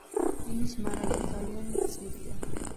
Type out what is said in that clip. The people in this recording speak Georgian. ენის მარაგი ძალიან მწირია.